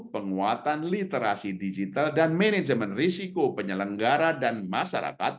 penguatan literasi digital dan manajemen risiko penyelenggara dan masyarakat